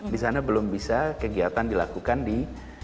di sana belum bisa kegiatan dilakukan di